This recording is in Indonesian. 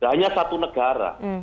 hanya satu negara